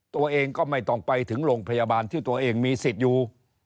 ตัวเองก็ไม่ต้องไปถึงโรงพยาบาลที่ตัวเองมีสิทธิ์อยู่